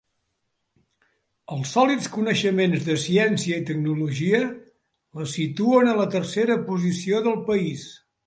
Els sòlids coneixements de ciència i tecnologia la situen a la tercera posició del país.